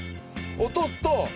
落とすと。